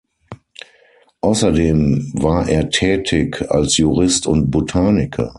Außerdem war er tätig als Jurist und Botaniker.